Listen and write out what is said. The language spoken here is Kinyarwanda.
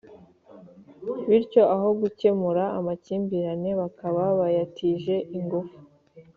bityo aho gukemura amakimbirane bakaba bayatije ingufu